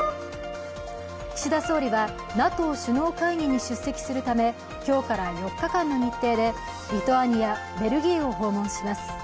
岸田総理はＮＡＴＯ首脳会議に出席するため今日から４日間の日程でリトアニア、ベルギーを訪問します